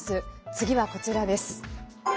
次はこちらです。